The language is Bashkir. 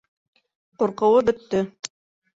Ҡурҡыуы бөттө.